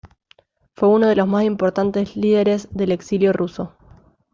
Fue uno de los más importantes líderes del exilio ruso.